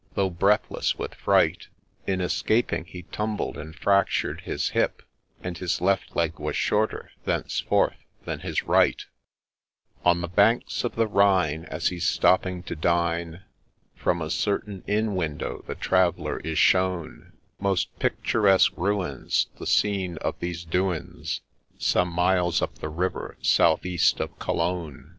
happy the slip from his Succubine grip, That saved the Lord Abbot, — though, breathless with fright, In escaping he tumbled, and fractured his hip, And his left leg was shorter thenceforth than his right I On the banks of the Rhine, as he 's stopping to dine, From a certain Inn window the traveller is shown Most picturesque ruins, the scene of these doings, Some miles up the river, south east of Cologne.